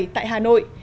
tại hà nội